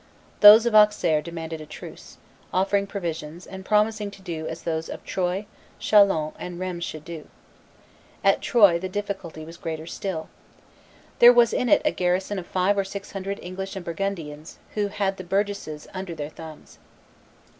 Those of Auxerre demanded a truce, offering provisions, and promising to do as those of Troyes, Chalons, and Rheims should do. At Troyes the difficulty was greater still. There was in it a garrison of five or six hundred English and Burgundians, who had the burgesses under their thumbs.